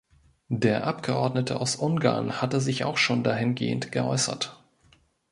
Der Abgeordnete aus Ungarn hatte sich auch schon dahin gehend geäußert.